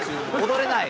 「踊れない」。